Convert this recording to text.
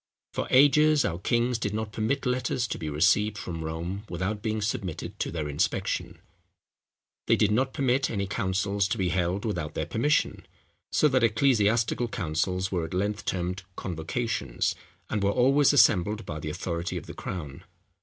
For ages our kings did not permit letters to be received from Rome without being submitted to their inspection: they did not permit any councils to be held without their permission; so that ecclesiastical councils were at length termed convocations, and were always assembled by the authority of the crown.